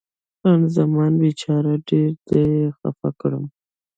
خان زمان: بیچاره، ډېر دې خفه کړم.